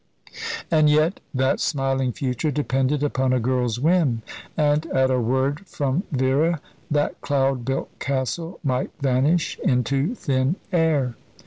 And yet that smiling future depended upon a girl's whim, and at a word from Vera that cloud built castle might vanish into thin air.